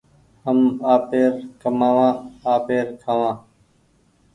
هم آپير ڪمآوآ آپير کآوان